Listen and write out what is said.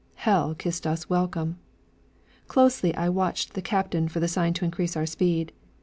Hell kissed us welcome! Closely I watched the captain for the sign to increase our speed.